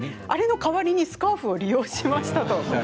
あれの代わりにスカーフを利用しました。